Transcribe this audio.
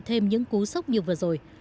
thêm những cú sốc như vừa rồi